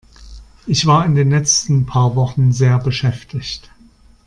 Ich war in den letzten paar Wochen sehr beschäftigt.